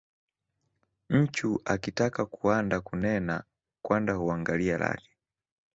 Nchu akitaka kuanda kunena kwanda huangalia lake.